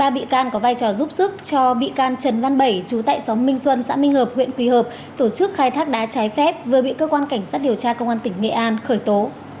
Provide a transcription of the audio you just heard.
ba bị can có vai trò giúp sức cho bị can trần văn bảy chú tại xóm minh xuân xã minh hợp huyện quỳ hợp tổ chức khai thác đá trái phép vừa bị cơ quan cảnh sát điều tra công an tỉnh nghệ an khởi tố